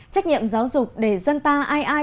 trách nhiệm giáo dục để dân ta ai ai